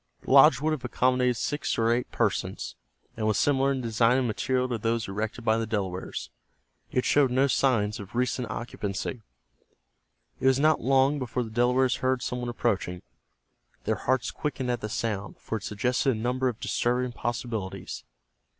The lodge would have accommodated six or eight persons, and was similar in design and material to those erected by the Delawares. It showed no signs of recent occupancy. It was not long before the Delawares heard some one approaching. Their hearts quickened at the sound, for it suggested a number of disturbing possibilities.